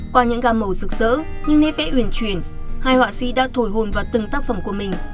qua những gà màu rực rỡ những nét vẽ huyền chuyển hai họa sĩ đã thổi hồn vào từng tác phẩm của mình